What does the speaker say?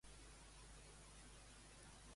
On vivia la filla de Tiestes?